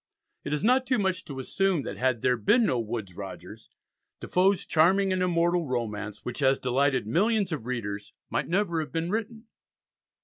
It is not too much to assume that had there been no Woodes Rogers, Defoe's charming and immortal romance, which has delighted millions of readers, might never have been written.